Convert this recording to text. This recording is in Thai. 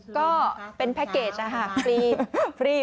ก็เป็นแพ็กเกจค่ะฟรี